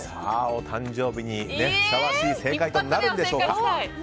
お誕生日にふさわしい正解となるんでしょうか。